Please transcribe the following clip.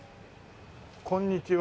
こんにちは。